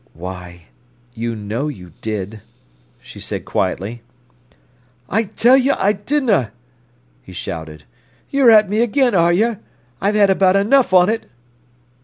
"Why, you know you did," she said quietly. "I tell you I didna," he shouted. "Yer at me again, are yer? I've had about enough on't."